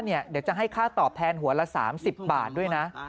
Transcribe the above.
เดี๋ยวจะให้ค่าตอบแทนหัวละ๓๐บาทด้วยนะ